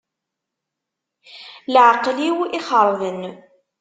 Leεqel-iw ixeṛben.